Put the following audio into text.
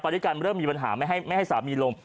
ด้วยกันเริ่มมีปัญหาไม่ให้สามีลง